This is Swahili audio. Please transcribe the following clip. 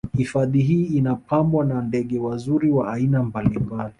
Hifadhii hii inapambwa na ndege wazuri wa aina mbalimbali